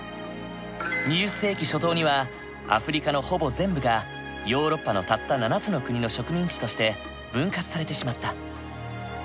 ２０世紀初頭にはアフリカのほぼ全部がヨーロッパのたった７つの国の植民地として分割されてしまった。